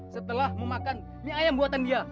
setelah memakan mie ayam buatan dia